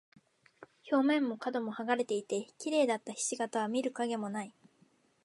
表面も角も剥がれていて、綺麗だった菱形は見る影もない。